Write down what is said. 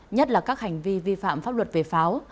nhất là các hành vi vi phạm pháp luật về pháo